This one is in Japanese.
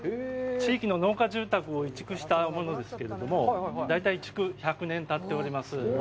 地域の農家住宅を移築したものけれども、大体築１００年たっております。